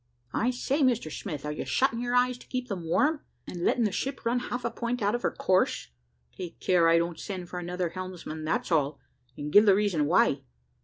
I say, Mr Smith, are you shutting your eyes to keep them warm, and letting the ship run half a point out of her course? take care I don't send for another helmsman that's all, and give the reason why.